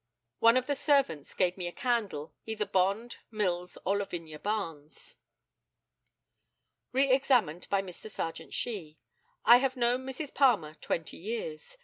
One of the servants gave me a candle either Bond, Mills, or Lavinia Barnes. Re examined by Mr. Serjeant SHEE: I have known Mrs. Palmer twenty years.